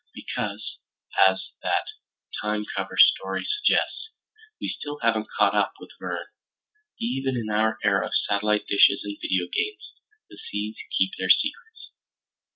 Because, as that Time cover story suggests, we still haven't caught up with Verne. Even in our era of satellite dishes and video games, the seas keep their secrets.